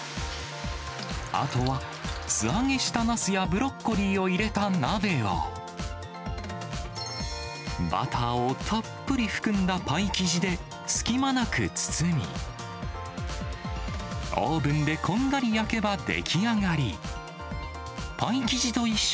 あとは素揚げしたなすやブロッコリーを入れた鍋を、バターをたっぷり含んだパイ生地で隙間なく包み、オーブンでこんがり焼けば出来上がり。